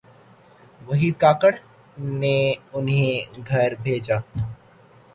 وحید کاکڑ نے انہیں گھر بھیجا۔